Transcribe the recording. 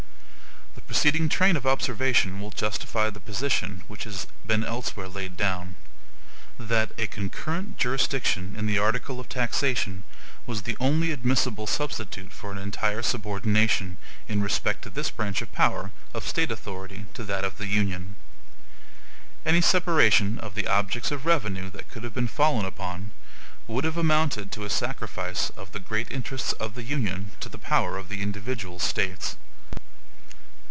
The preceding train of observation will justify the position which has been elsewhere laid down, that "A CONCURRENT JURISDICTION in the article of taxation was the only admissible substitute for an entire subordination, in respect to this branch of power, of State authority to that of the Union." Any separation of the objects of revenue that could have been fallen upon, would have amounted to a sacrifice of the great INTERESTS of the Union to the POWER of the individual States.